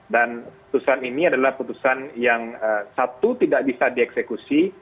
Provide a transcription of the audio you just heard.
dan putusan ini adalah putusan yang satu tidak bisa dieksekusi